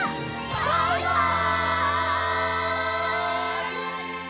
バイバイ！